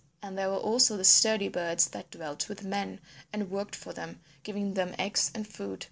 And there were also the sturdy birds that dwelt with men and worked for them, giving them eggs and food.